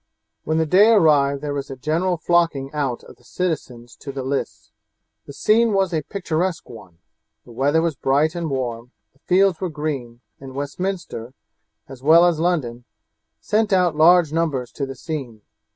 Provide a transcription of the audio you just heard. When the day arrived there was a general flocking out of the citizens to the lists. The scene was a picturesque one; the weather was bright and warm; the fields were green; and Westminster, as well as London, sent out large numbers to the scene.